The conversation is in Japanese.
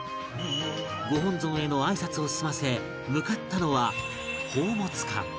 御本尊への挨拶を済ませ向かったのは